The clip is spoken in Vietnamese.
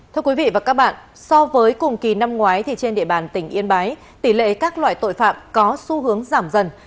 thưa quý vị và các bạn so với cùng kỳ năm ngoái trên địa bàn tỉnh yên bái tỷ lệ các loại tội phạm có xu hướng giảm dần